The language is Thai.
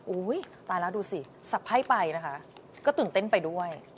ตายแล้วดูสิสับไพ่ไปนะคะก็ตื่นเต้นไปด้วย